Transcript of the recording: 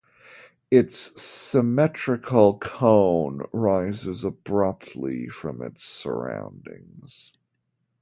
Its symmetrical cone rises abruptly from its surroundings.